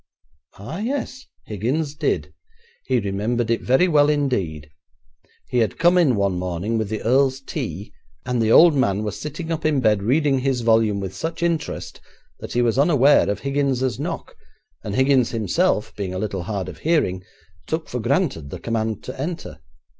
Ah, yes, Higgins did; he remembered it very well indeed. He had come in one morning with the earl's tea, and the old man was sitting up in bed reading his volume with such interest that he was unaware of Higgins's knock, and Higgins himself, being a little hard of hearing, took for granted the command to enter.